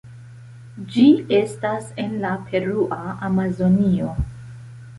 Ĝi estas en la Perua Amazonio.